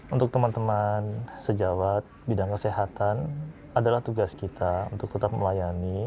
untuk teman teman sejawat bidang kesehatan adalah tugas kita untuk tetap melayani